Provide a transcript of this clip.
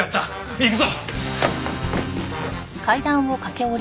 行くぞ！